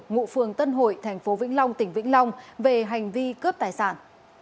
ngụ phường tân hội tp vĩnh long tỉnh vĩnh long về hành vi cướp tài sản